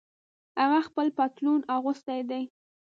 هغه خپل پتلون اغوستۍ دي